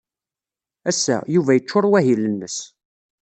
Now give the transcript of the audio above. Ass-a, Yuba yeccuṛ wahil-nnes.